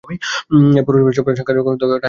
এ পৌরসভার প্রশাসনিক কার্যক্রম রায়পুর থানার আওতাধীন।